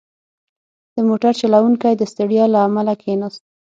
• د موټر چلوونکی د ستړیا له امله کښېناست.